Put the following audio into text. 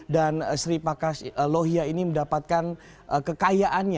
dan sri prakash lohia ini mendapatkan kekayaan